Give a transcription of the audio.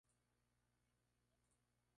Ella cambia su nombre a Phoebe Buffay-Hannigan.